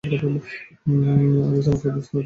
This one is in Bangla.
আরে, চমৎকার, দোস্ত, চমৎকার।